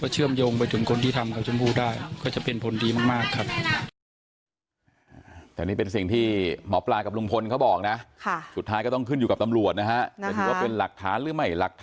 เชื่อมโยงไปถึงคนที่ทำกับชนผู้ได้